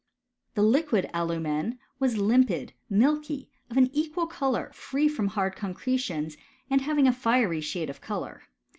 The liquid alumen was limpid, milky, of an equal colour, free from hard concretions, and having a fiery shade of colour.